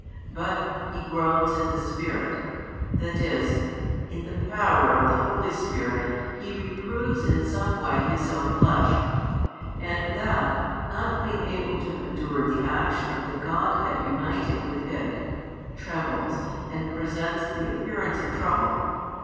But He groans in the spirit, that is, in the power of the Holy Spirit He reproves in some way His Own Flesh: and That, not being able to endure the action of the Godhead united with It, trembles and presents the appearance of trouble.